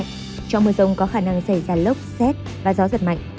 trong mưa rông có khả năng xảy ra lốc xét và gió giật mạnh